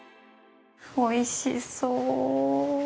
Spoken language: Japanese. おいしそう。